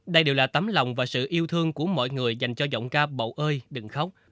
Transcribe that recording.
đây đều là tấm lòng và sự yêu thương của mọi người dành cho giọng ca bầu ơi đừng khóc